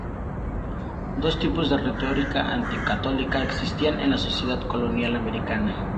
Dos tipos de retórica anticatólica existían en la sociedad colonial americana.